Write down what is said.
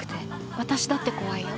私だって怖いよ。